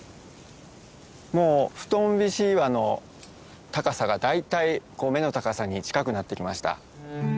もう布団菱岩の高さが大体目の高さに近くなってきました。